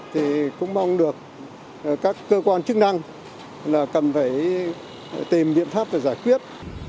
thì cũng mong được các cơ quan chức năng là cần phải tìm biện pháp để giải quyết